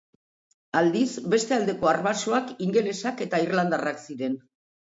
Aldiz, beste aldeko arbasoak ingelesak eta irlandarrak ziren.